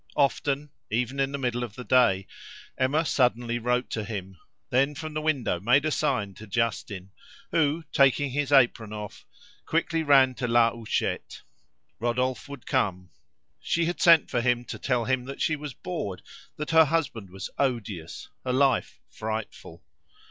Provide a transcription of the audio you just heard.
Often, even in the middle of the day, Emma suddenly wrote to him, then from the window made a sign to Justin, who, taking his apron off, quickly ran to La Huchette. Rodolphe would come; she had sent for him to tell him that she was bored, that her husband was odious, her life frightful.